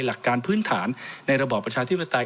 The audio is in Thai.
หลักการพื้นฐานในระบอบประชาธิปไตย